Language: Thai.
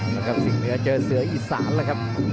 และกับสิ่งเหนือเจอเสืออิสานเลยครับ